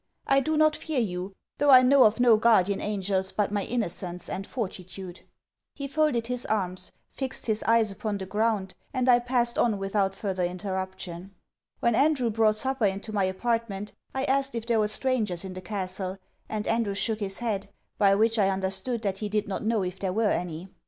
'I do not fear you, though I know of no guardian angels but my innocence and fortitude.' He folded his arms, fixed his eyes upon the ground, and I passed on without further interruption. When Andrew brought supper into my apartment, I asked if there were strangers in the castle; and Andrew shook his head, by which I understood that he did not know if there were any.